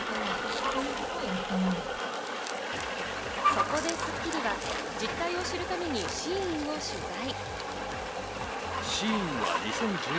そこで『スッキリ』は実態を知るためにＳＨＥＩＮを取材。